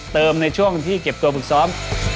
ในช่วงที่เก็บตัวฝึกซ้อม